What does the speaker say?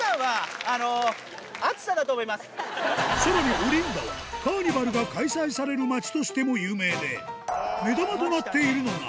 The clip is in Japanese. さらにオリンダは、カーニバルが開催される町としても有名で、目玉となっているのが。